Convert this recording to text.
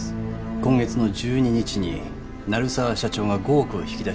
今月の１２日に鳴沢社長が５億を引き出し